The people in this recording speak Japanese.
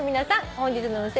本日の運勢